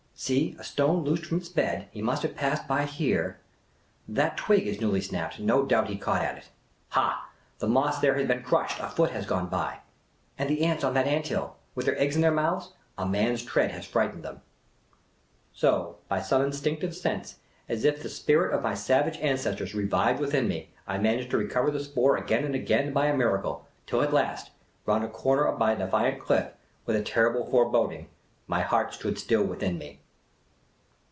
'* See, a stone loosed from its bed — he must have passed by here. ... That twig is newly snapped ; no doubt he caught at it. ... Ha, the moss there has been crushed ; a foot has gone by. And the ants on that ant hill, with their eggs in their mouths — a man's tread has frightened them." So, by some instinctive sense, as if the spirit of my savage ancestors reviv^ed within me, I managed to recover the spoor again and again by a miracle, till at last, round a corner by a defiant cliff — with a terrible foreboding, my heart stood still within me.